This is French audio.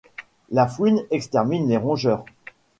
La fouine extermine les rongeurs